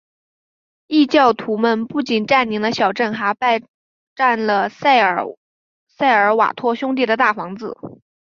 异教徒们不仅占领了小镇还霸占了塞尔瓦托兄弟的大房子。